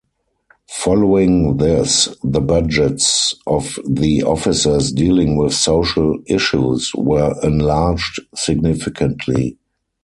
Following this, the budgets of the offices dealing with social issues were enlarged significantly.